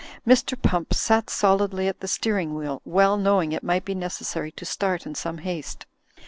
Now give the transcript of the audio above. Mr. Pump sat solidly at the steering wheel, well knowing it might be necessary to start in some haste.